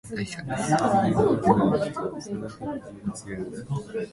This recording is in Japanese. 「助けて」と言える人，そう言える相手がいる人は，それだけで十分強いのである．